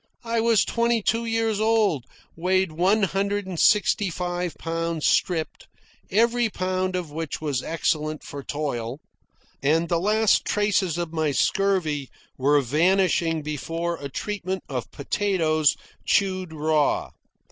I was twenty two years old, weighed one hundred and sixty five pounds stripped, every pound of which was excellent for toil; and the last traces of my scurvy were vanishing before a treatment of potatoes chewed raw.